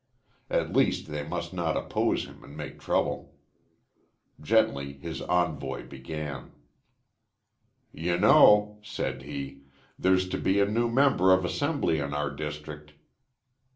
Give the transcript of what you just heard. At least they must not oppose him and make trouble. Gently his envoy began. "You know," said he, "there's to be a new member of Assembly in our district."